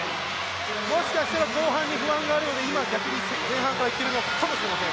もしかしたら後半に不安があるので今、逆に前半からいっているのかもしれません。